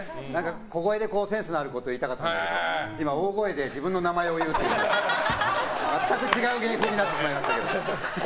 小声でセンスのあることを言いたかったんだけど今、大声で自分の名前を言うっていう全く違う芸人になってしまいましたけど。